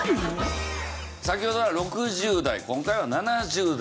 先ほどは６０代今回は７０代。